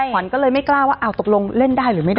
ขวัญก็เลยไม่กล้าว่าตกลงเล่นได้หรือไม่ได้